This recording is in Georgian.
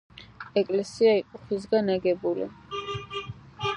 ეკლესია იყო ხისგან აგებული.